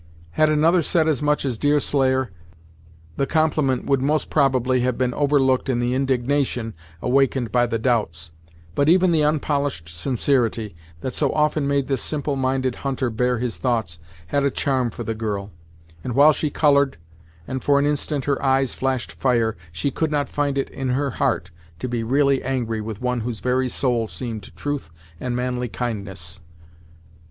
Had another said as much as Deerslayer, the compliment would most probably have been overlooked in the indignation awakened by the doubts, but even the unpolished sincerity, that so often made this simple minded hunter bare his thoughts, had a charm for the girl; and while she colored, and for an instant her eyes flashed fire, she could not find it in her heart to be really angry with one whose very soul seemed truth and manly kindness.